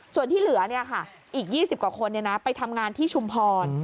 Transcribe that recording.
ส่วนที่เหลืออีก๒๐กว่าคนไปทำงานที่ชุมพร